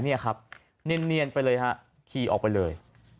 เนียนไปเลยครับขี่ออกไปเลย